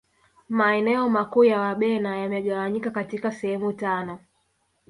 maeneo makuu ya wabena yamegawanyika katika sehemu tano